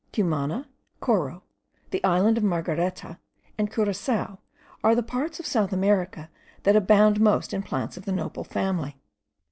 Cumana, Coro, the island of Margareta, and Curassao, are the parts of South America that abound most in plants of the nopal family.